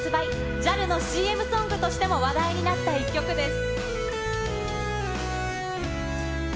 ＪＡＬのＣＭソングとしても話題になった一曲です。